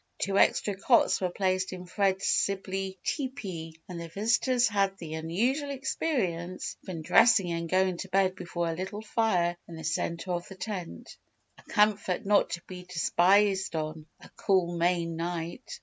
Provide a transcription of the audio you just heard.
Two extra cots were placed in Fred's sibley teepee and the visitors had the unusual experience of undressing and going to bed before a little fire in the centre of the tent: a comfort not to be despised on a cool Maine night.